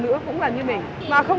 tao không có thiếu tiền nhá